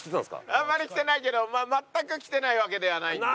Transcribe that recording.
あんまり来てないけど全く来てないわけではないので。